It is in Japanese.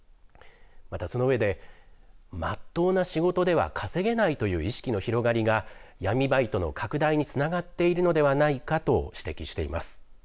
またその上でまっとうな仕事では稼げないという意識の広がりが闇バイトの拡大につながっているのではないかと指摘しています。